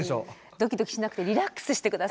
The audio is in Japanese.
ドキドキしなくてリラックスして下さい。